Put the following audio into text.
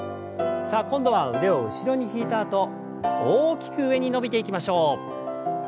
さあ今度は腕を後ろに引いたあと大きく上に伸びていきましょう。